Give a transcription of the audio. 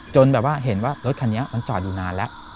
แบบว่าเห็นว่ารถคันนี้มันจอดอยู่นานแล้ว